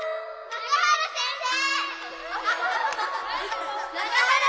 中原先生！